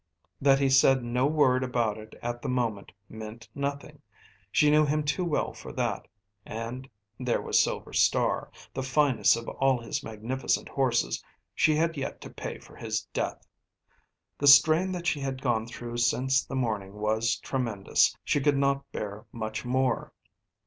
That he said no word about it at the moment meant nothing; she knew him too well for that. And there was Silver Star, the finest of all his magnificent horses she had yet to pay for his death. The strain that she had gone through since the morning was tremendous, she could not bear much more.